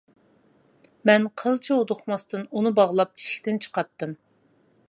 مەن قىلچە ھودۇقماستىن ئۇنى باغلاپ ئىشىكتىن چىقاتتىم.